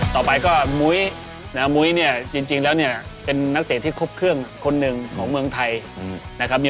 ต่อไปก็มุ้ยมุ้ยเนี่ยจริงแล้วเนี่ยเป็นนักเตะที่ครบเครื่องคนหนึ่งของเมืองไทยนะครับ